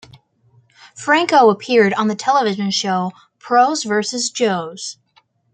Franco appeared on the television show "Pros versus Joes".